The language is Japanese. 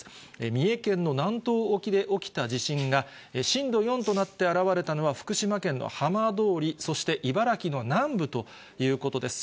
三重県の南東沖で起きた地震が、震度４となって現われたのは福島県の浜通り、そして茨城の南部ということです。